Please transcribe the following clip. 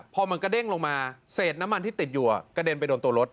พอมันกระเด้งลงมาเศษน้ำมันที่ติดอยู่กระเด็นไปโดนตัวรถ